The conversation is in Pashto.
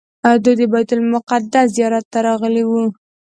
دوی د بیت المقدس زیارت ته راغلي وو.